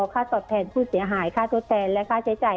ข้าวสอดแทนผู้เสียหายข้าวทดแทนและข้าวใช้จ่าย